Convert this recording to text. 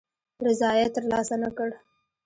رضاییت تر لاسه نه کړ.